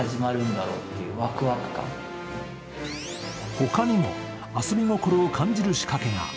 他にも、遊び心を感じる仕掛けが。